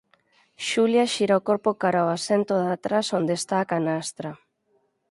Xulia xira o corpo cara ó asento de atrás onde está a canastra;